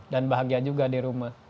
dan bahagia juga di rumah